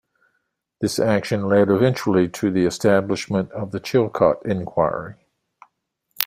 This action led eventually to the establishment of the Chilcot Inquiry.